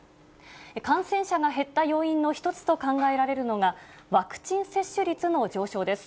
感染者が減った要因の一つと考えられるのが、ワクチン接種率の上昇です。